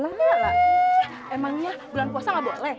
emangnya bulan puasa nggak boleh